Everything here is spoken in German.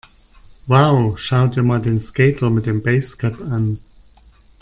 Wow, schau dir mal den Skater mit dem Basecap an!